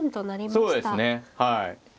そうですねはい。